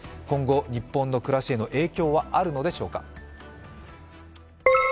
今後、日本の暮らしへの影響はあるのでしょうか。